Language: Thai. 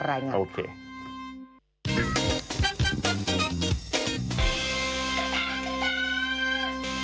ยูนิเวิร์สแซลลอ๋ออ๋อโอเค